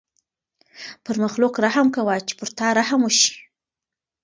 پر مخلوق رحم کوه چې پر تا رحم وشي.